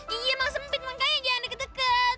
iya mau sempit makanya jangan deket deket